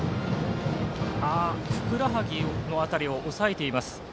ふくらはぎ辺りを押さえています。